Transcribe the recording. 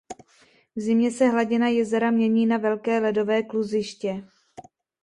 V zimě se hladina jezera mění na velké ledové kluziště.